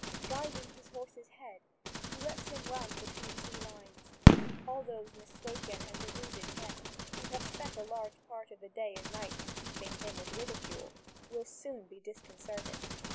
Guiding his horse's head, he lets him run between two lines. All those mistaken and deluded men, who have spent a large part of the day and night in heaping him with ridicule, will soon be disconcerted.